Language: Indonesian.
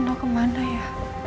nenek kemana ya